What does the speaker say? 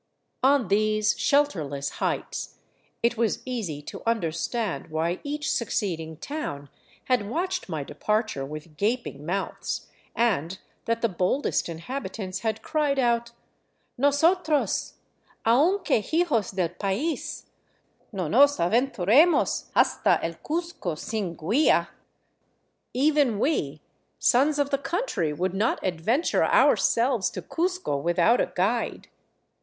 On these shelterless heights it was easy to understand why each succeed ing town had watched my departure with gaping mouths, and that the boldest inhabitants had cried out: " Nosotros, aunque hijos del pais, no nos aventuremos hasta el Cuzco sin guia !— Even we, sons of the country, would not adventure ourselves to Cuzco without a guide